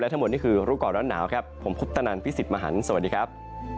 ทั้งหมดนี่คือรู้ก่อนร้อนหนาวครับผมคุปตนันพี่สิทธิ์มหันฯสวัสดีครับ